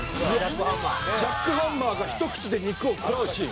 ジャック・ハンマーがひと口で肉を食らうシーン。